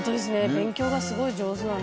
勉強がすごい上手なんだ。